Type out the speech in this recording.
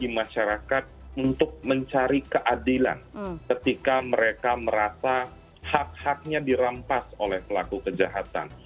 terutama terlalu banyak kesempatan bagi masyarakat untuk mencari keadilan ketika mereka merasa hak haknya dirampas oleh pelaku kejahatan